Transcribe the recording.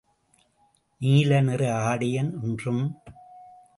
நீலநிற ஆடையன் என்றும்.